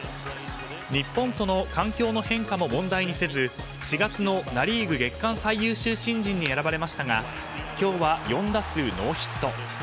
日本との環境の変化も問題にせず４月のナ・リーグ月間最優秀新人に選ばれましたが今日は４打数ノーヒット。